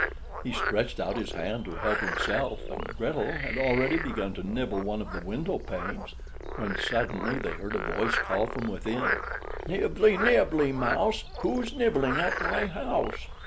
He stretched out his hand to help himself, and Gretel had already begun to nibble one of the window panes, when suddenly they heard a voice call from within: "Nibbly, nibbly, mouse! Who's nibbling at my house?"